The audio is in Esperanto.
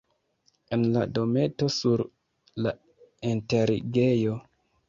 En la dometo sur la enterigejo.